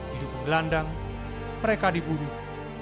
hidup di gelandang mereka dibunuh